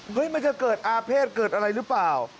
มันจะเกิดอาเภษเกิดอะไรหรือเปล่า